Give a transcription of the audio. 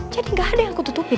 jadi gak ada yang aku tutupin